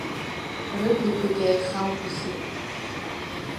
Рыблақәагьы ааихамҟәысит.